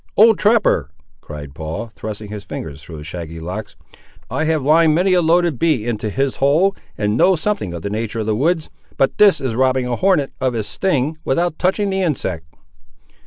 "Old trapper," cried Paul, thrusting his fingers through his shaggy locks, "I have lined many a loaded bee into his hole, and know something of the nature of the woods, but this is robbing a hornet of his sting without touching the insect!"